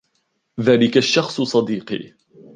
ذاك الشخص صديقي.